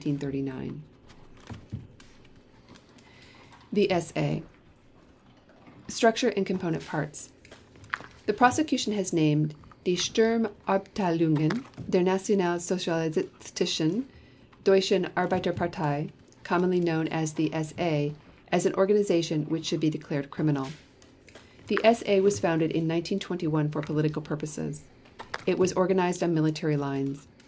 THE SA Structure and Component Parts: The Prosecution has named Die Sturmabteilungen der Nationalsozialistischen Deutschen Arbeiterpartei (commonly known as the SA) as an organization which should be declared criminal. The SA was founded in 1921 for political purposes. It was organized on military lines.